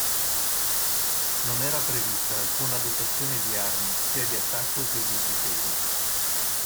Non era prevista alcuna dotazione di armi sia di attacco che di difesa.